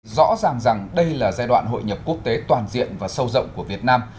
rõ ràng rằng đây là giai đoạn hội nhập quốc tế toàn diện và sâu rộng của việt nam